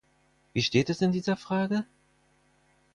Wie steht es in dieser Frage?